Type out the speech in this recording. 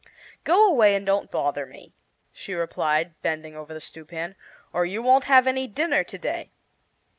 "Go away and don't bother me," she replied, bending over the stewpan, "or you won't have any dinner to day."